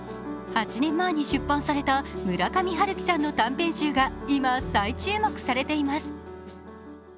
８年前に出版された村上春樹さんの短編集が今、最注目されています。